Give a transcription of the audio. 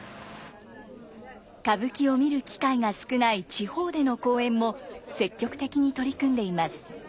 歌舞伎を見る機会が少ない地方での公演も積極的に取り組んでいます。